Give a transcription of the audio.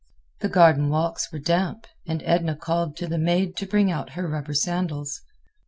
The garden walks were damp, and Edna called to the maid to bring out her rubber sandals.